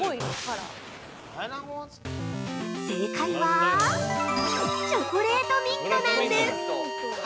◆正解は、チョコレートミントなんです。